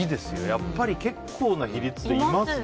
やっぱり結構な比率でいますね。